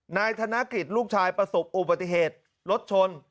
นายกธนกฤษลูกชายประสบอุบัติเหตุรถชน